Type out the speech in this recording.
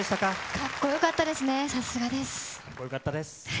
かっこよかったですね、かっこよかったです。